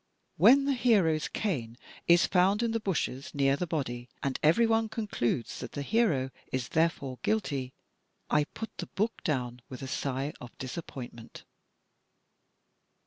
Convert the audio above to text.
When the hero's cane is found in the bushes near the body, and everyone concludes that the hero is therefore guilty, I put the book down with a sigh of dis appointment."